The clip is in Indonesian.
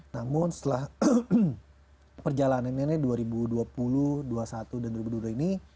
namun setelah perjalanannya ini dua ribu dua puluh dua puluh satu dan dua ribu dua puluh dua ini